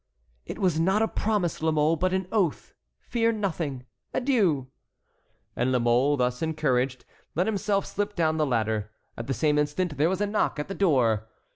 "It was not a promise, La Mole, but an oath. Fear nothing. Adieu!" And La Mole, thus encouraged, let himself slip down the ladder. At the same instant there was a knock at the door.